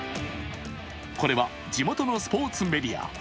これは地元のスポーツメディア。